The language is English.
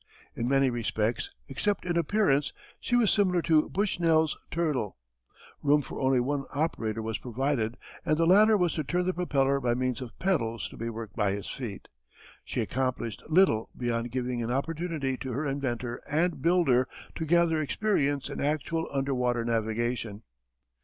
In many respects except in appearance she was similar to Bushnell's Turtle. Room for only one operator was provided and the latter was to turn the propeller by means of pedals to be worked by his feet. She accomplished little beyond giving an opportunity to her inventor and builder to gather experience in actual underwater navigation.